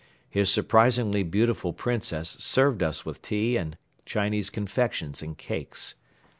His surprisingly beautiful Princess served us with tea and Chinese confections and cakes.